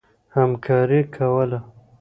همکاري کوله.